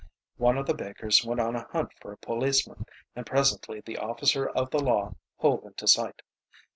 One of the bakers went on a hunt for a policeman, and presently the officer of the law hove into sight.